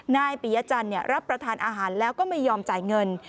นายปิยจันทร์รับประทานอาหารแล้วก็ไม่ยอมจ่ายเงิน